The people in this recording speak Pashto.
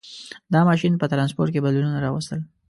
• دا ماشین په ټرانسپورټ کې بدلونونه راوستل.